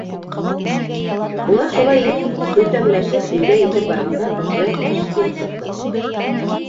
Улар шулай өтәңләшеп өйгә етеп барғанда, Ҡотлояр ҡаршы килеп сыҡты.